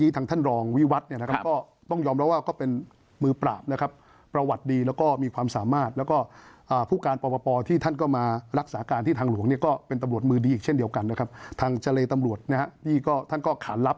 แต่ตอนนี้ผมก็คิดว่าเราสบายใจได้ทางนึงนะครับ